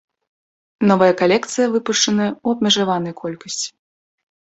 Новая калекцыя выпушчаная ў абмежаванай колькасці.